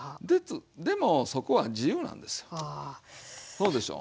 そうでしょ？